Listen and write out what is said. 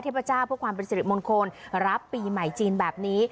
พเจ้าเพื่อความเป็นสิริมงคลรับปีใหม่จีนแบบนี้